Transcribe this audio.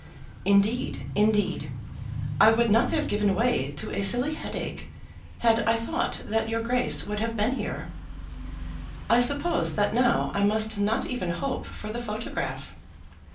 Indeed, indeed, I would not have given way to a silly headache, had I thought that your Grace would have been here. I suppose that now I must not even hope for the photograph.